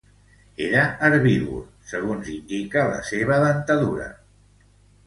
Era herbívor, segons indica la seva dentadura.